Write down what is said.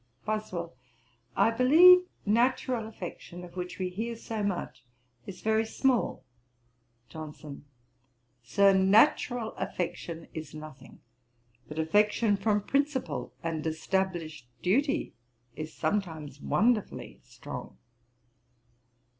BOSWELL. 'I believe natural affection, of which we hear so much, is very small.' JOHNSON. 'Sir, natural affection is nothing: but affection from principle and established duty is sometimes wonderfully strong.'